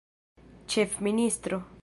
ĉefministro